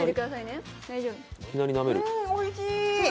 うーん、おいしい。